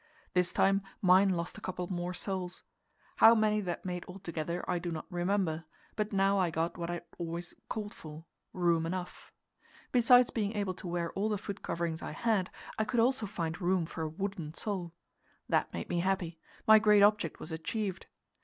This time mine lost a couple more soles. How many that made altogether I do not remember, but now I got what I had always called for room enough. Besides being able to wear all the foot coverings I had, I could also find room for a wooden sole. That made me happy; my great object was achieved.